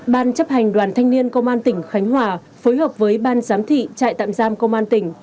ban chấp hành đoàn thanh niên công an tỉnh khánh hòa phối hợp với ban giám thị trại tạm giam công an tỉnh